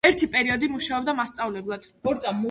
ერთი პერიოდი მუშაობდა მასწავლებლად.